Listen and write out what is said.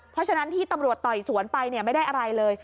เพราะฉะนั้นที่ตำรวจต่อยสวนไปไม่ได้อะไรเลย